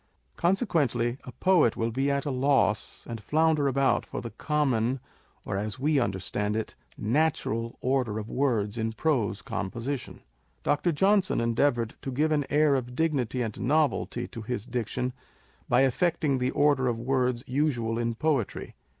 Consequently, a poet will be at a loss, and flounder about for the common or (as we understand it) natural order of words in prose composition. Dr. Johnson endeavoured to give an air of dignity and novelty to his diction by affecting the order of words usual in poetry.